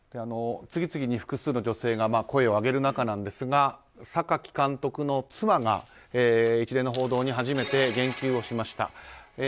次々に複数の女性が声を上げる中ですが榊監督の妻が一連の報道に初めて言及をしました。